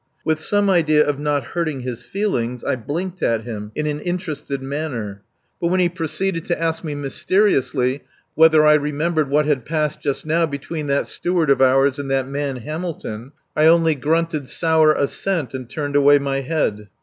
With some idea of not hurting his feelings I blinked at him in an interested manner. But when he proceeded to ask me mysteriously whether I remembered what had passed just now between that Steward of ours and "that man Hamilton," I only grunted sourly assent and turned away my head.